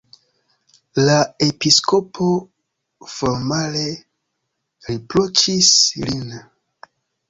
La episkopo formale riproĉis lin.